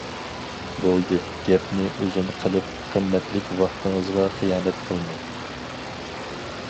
بولدى گەپنى ئۇزۇن قىلىپ قىممەتلىك ۋاقتىڭىزغا خىيانەت قىلماي.